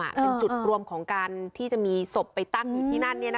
เป็นจุดรวมของการที่จะมีศพไปตั้งอยู่ที่นั่น